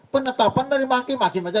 penetapan dari makin makin aja